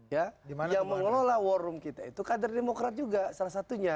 ya yang mengelola war room kita itu kader demokrat juga salah satunya